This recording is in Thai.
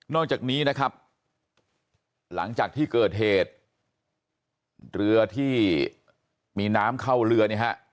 อกจากนี้นะครับหลังจากที่เกิดเหตุเรือที่มีน้ำเข้าเรือเนี่ยฮะ